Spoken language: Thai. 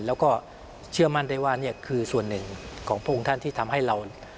แล้วก็เชื่อมั่นได้ว่านี่คือส่วนหนึ่งของพระองค์ท่านที่ทำให้เรา